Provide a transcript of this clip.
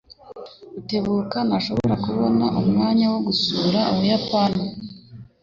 Rutebuka ntashobora kubona umwanya wo gusura Ubuyapani.